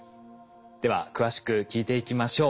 では詳しく聞いていきましょう。